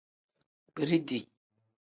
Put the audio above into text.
Biriti.